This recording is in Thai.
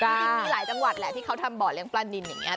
จริงมีหลายจังหวัดแหละที่เขาทำบ่อเลี้ยปลานินอย่างนี้